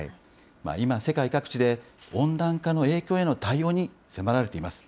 今、世界各地で温暖化の影響への対応に迫られています。